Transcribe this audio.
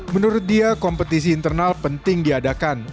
menurut dia kompetisi internal penting diadakan